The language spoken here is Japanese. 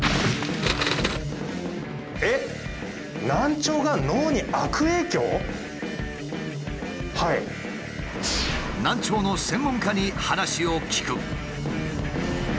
しかしもし難聴の専門家に話を聞く。